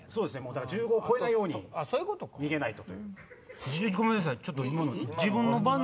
だから１５超えないように逃げないと。